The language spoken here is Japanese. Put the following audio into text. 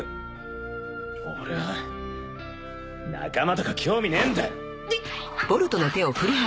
俺は仲間とか興味ねえんだ！